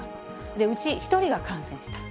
うち１人が感染したと。